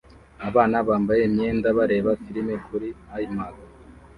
Abana bambaye imyenda bareba firime kuri iMac